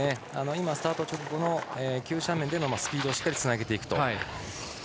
スタート直後の急斜面でのスピードをしっかりつなげていくと。